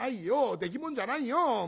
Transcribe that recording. できもんじゃないよ。